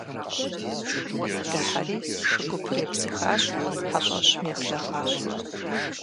Дыхьэри шу гупыр епсыхащ, хьэщӀэщым еблэгъащ.